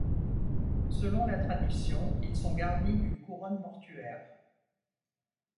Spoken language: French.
Selon la tradition, ils sont garnis d'une couronne mortuaire.